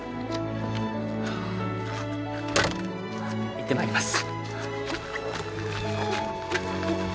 行ってまいります。